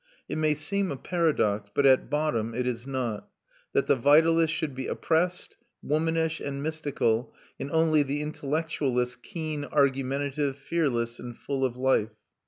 It may seem a paradox, but at bottom it is not, that the vitalists should be oppressed, womanish, and mystical, and only the intellectualists keen, argumentative, fearless, and full of life.